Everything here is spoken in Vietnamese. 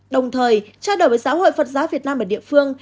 đồng thời trao đổi với giáo hội phật giáo việt nam ở địa phương